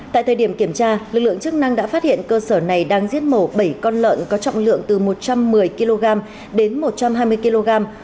tại thời điểm kiểm tra lực lượng chức năng đã phát hiện cơ sở này đang giết mổ bảy con lợn có trọng lượng từ một trăm một mươi kg đến một trăm hai mươi kg